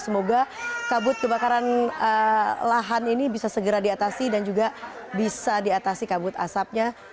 semoga kabut kebakaran lahan ini bisa segera diatasi dan juga bisa diatasi kabut asapnya